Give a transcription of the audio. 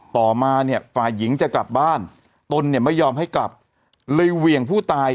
ต่อมาเนี่ยฝ่ายหญิงจะกลับบ้านตนเนี่ยไม่ยอมให้กลับเลยเหวี่ยงผู้ตาย